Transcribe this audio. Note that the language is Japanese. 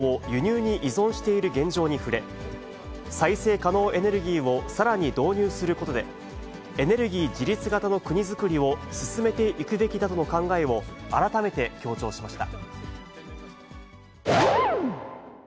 また小泉大臣は、石炭など火力発電の燃料を輸入に依存している現状に触れ、再生可能エネルギーをさらに導入することで、エネルギー自立型の国造りを進めていくべきだとの考えを、改めて強調しました。